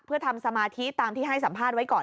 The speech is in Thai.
เพื่อทำสมาธิตามที่ให้สัมภาษณ์ไว้ก่อน